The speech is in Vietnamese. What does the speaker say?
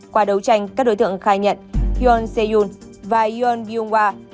qua đấu tranh các đối tượng khai nhận hyun se yoon và hyun byung hwa